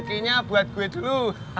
rezekinya buat gue dulu